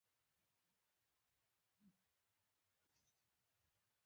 د دغې جګړې د توجيې لپاره يې ځاله په ميرانشاه کې جوړه کړې.